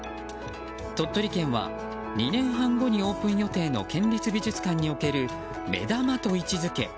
鳥取県は２年半後にオープン予定の県立美術館における目玉と位置付け